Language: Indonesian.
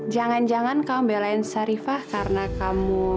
jangan jangan kamu belain sarifah karena kamu